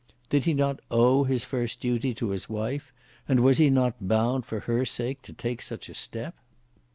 Did he not owe his first duty to his wife, and was he not bound for her sake to take such a step?